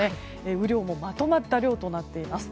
雨量もまとまった量となっています。